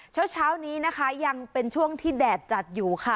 เช้านี้นะคะยังเป็นช่วงที่แดดจัดอยู่ค่ะ